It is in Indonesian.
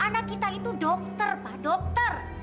anak kita itu dokter pak dokter